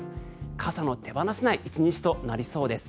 傘の手放せない１日となりそうです。